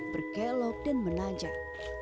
berkelok dan menajak